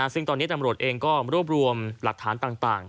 ซึ่งตอนนี้ตำรวจเองก็รวบรวมหลักฐานต่าง